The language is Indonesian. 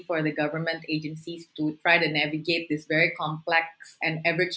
untuk mencoba untuk menjalani industri yang sangat kompleks dan selalu berubah